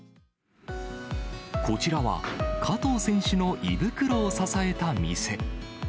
こちらは、加藤選手の胃袋を支えた店。